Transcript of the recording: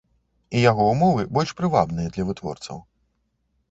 І яго ўмовы больш прывабныя для вытворцаў.